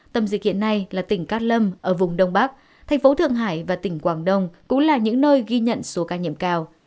tâm dịch hiện nay là tỉnh cát lâm ở vùng đông bắc thành phố thượng hải và tỉnh quảng đông cũng là những nơi ghi nhận số ca nhiễm cao